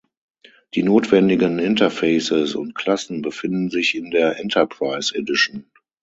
Die notwendigen Interfaces und Klassen befinden sich in der Enterprise Edition.